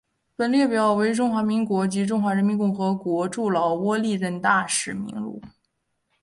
本列表为中华民国及中华人民共和国驻老挝历任大使名录。